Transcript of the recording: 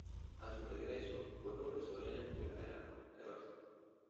A su regreso, fue profesor en la Escuela de la Lonja de Barcelona.